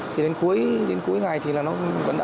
thì đến cuối ngày thì nó vẫn đã